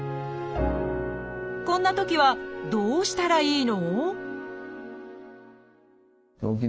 こんなときはどうしたらいいの？